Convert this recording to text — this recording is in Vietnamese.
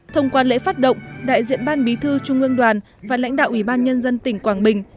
thông qua lễ phát động đại diện ban bí thư trung ương đoàn và lãnh đạo ủy ban nhân dân tỉnh quảng bình